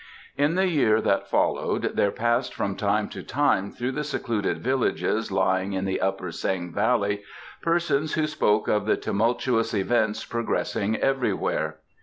In the year that followed there passed from time to time through the secluded villages lying in the Upper Seng valley persons who spoke of the tumultuous events progressing everywhere.